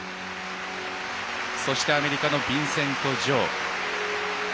そして、アメリカのビンセント・ジョウ。